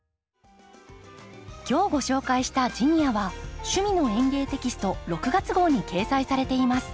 今日ご紹介した「ジニア」は「趣味の園芸」テキスト６月号に掲載されています。